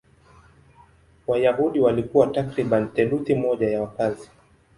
Wayahudi walikuwa takriban theluthi moja ya wakazi.